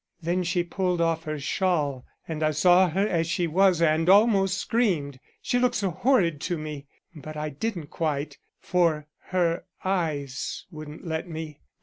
Then she pulled off her shawl and I saw her as she was and almost screamed, she looked so horrid to me, but I didn't quite, for her eyes wouldn't let me.